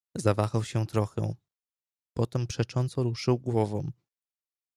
"Zawahał się trochę, potem przecząco ruszył głową."